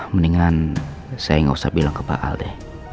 mendingan saya nggak usah bilang ke pak al deh